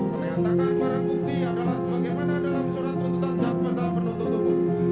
menyatakan barang bukti adalah sebagaimana dalam surat tuntutan dan pasal penuntutuk